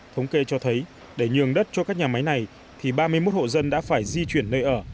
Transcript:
thống kê cho thấy để nhường đất cho các nhà máy này thì ba mươi một hộ dân đã phải di chuyển nơi ở